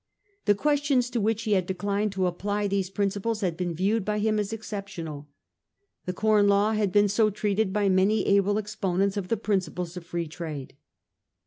The questions to which he had declined to apply those principles had been viewed by him as exceptional. The Corn Law had been so treated by man/ able exponents of the principles of Free Trade.